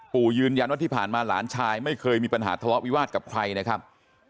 ยืนยันว่าที่ผ่านมาหลานชายไม่เคยมีปัญหาทะเลาะวิวาสกับใครนะครับ